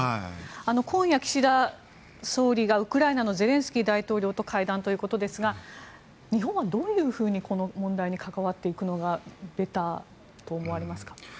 今夜、岸田総理がウクライナのゼレンスキー大統領と会談ということですが日本はどういうふうにこの問題に関わっていくのがベターと思われますか。